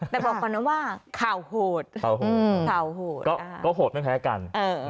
แต่บอกก่อนนะว่าข่าวโหดข่าวโหดก็โหดไม่แพ้กัน